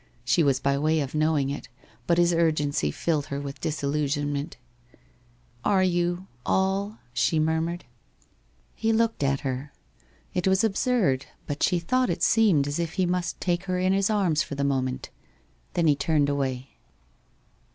She was by way of knowing it, but his urgency filled her with disillusionment. 1 Are you — all ?' she murmured. He looked at her. It was absurd, but she thought it seemed as if he must take her in his arms for the moment. Then he turned away.